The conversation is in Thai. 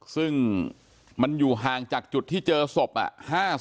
ซึ่งมันอยู่ห่างจากจุดที่เจอศพ